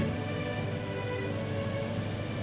bagaimana gue diperjuangkan dikejar oleh andi